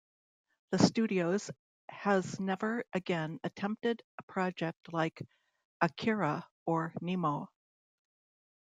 The studios has never again attempted a project like "Akira" or "Nemo".